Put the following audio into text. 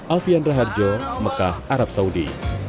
alfian raharjo mekah arab saudi